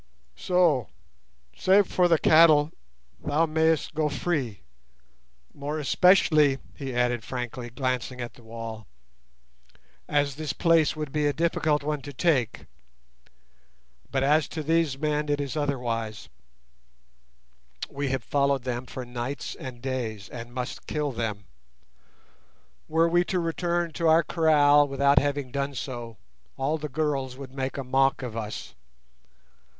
"So, save for the cattle, thou mayst go free; more especially," he added frankly, glancing at the wall, "as this place would be a difficult one to take. But as to these men it is otherwise; we have followed them for nights and days, and must kill them. Were we to return to our kraal without having done so, all the girls would make a mock of us.